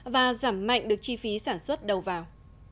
và giảm mạnh được chi phí sản xuất đầu vào